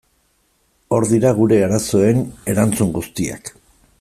Hor dira gure arazoen erantzun guziak.